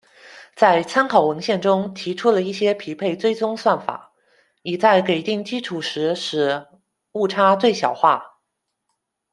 在参考文献中提出了一些匹配追踪算法，已在给定基础量时使误差最小化。